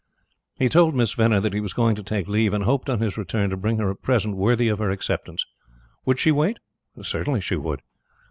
He told Miss Venner that he was going to take leave, and hoped, on his return, to bring her a present worthy of her acceptance. Would she wait? Certainly she would.